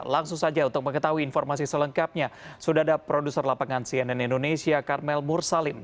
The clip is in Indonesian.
langsung saja untuk mengetahui informasi selengkapnya sudah ada produser lapangan cnn indonesia karmel mursalim